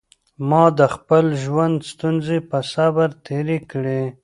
ما د خپل ژوند ستونزې په صبر تېرې کړې.